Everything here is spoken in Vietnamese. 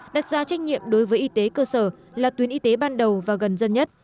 đặt ra trách nhiệm đối với y tế cơ sở là tuyến y tế ban đầu và gần dân nhất